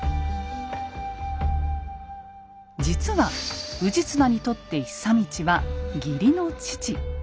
実は氏綱にとって尚通は義理の父。